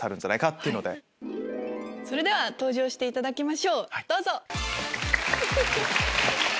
それでは登場していただきましょう！